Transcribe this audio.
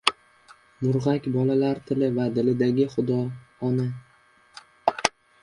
Murg‘ak bolalar tili va dilidagi xudo — ona.